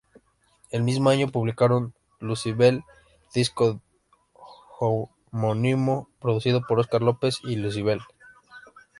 El mismo año publicaron Lucybell, disco homónimo producido por Óscar López y Lucybell.